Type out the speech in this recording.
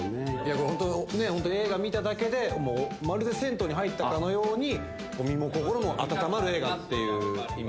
ホント映画見ただけでまるで銭湯に入ったかのように身も心も温まる映画っていう意味。